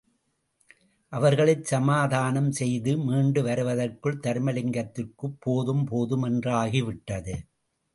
அவர்களை சமதானம் செய்து, மீண்டு வருவதற்குள் தருமலிங்கத்திற்குப் போதும் போதும் என்றாகிவிட்டது.